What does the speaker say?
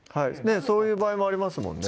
そういう場合もありますもんね